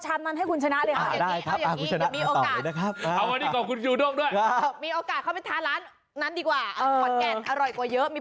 จริงกี่ขนาดนั้นเอามากหรือไม่